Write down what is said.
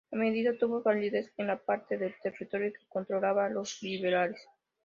La medida tuvo validez en la parte del territorio que controlaban los Liberales.